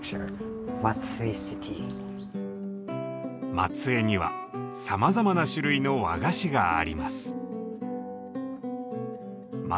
松江にはさまざまな種類の和菓子があります。